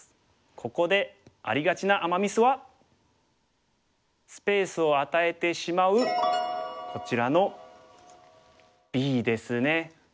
ここでありがちなアマ・ミスはスペースを与えてしまうこちらのＢですね。